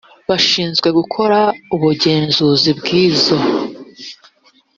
bashinzwe gukora ubugenzuzi bw izo